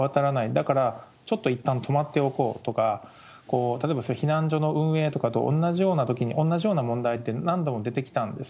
だからちょっといったん止まっておこうとか、例えば避難所の運営とかと同じようなときに、同じような問題点、何度も出てきたんです。